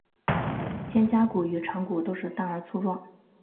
肩胛骨与肠骨都是大而粗壮。